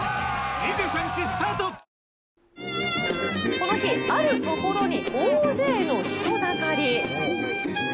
この日、あるところに大勢の人だかり。